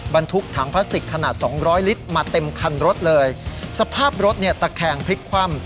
บรรทุกถังพลาสติกขนาดสองร้อยลิตรมาเต็มคันรถเลยสภาพรถเนี่ยตะแคงพลิกคว่ำ